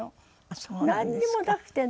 なんにもなくてね。